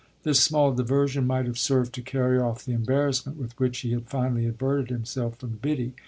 This small diversion might have served to carry off the embarrassment with which he had finally averted himself from Biddy.